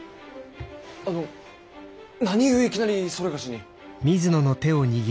あの何故いきなりそれがしに。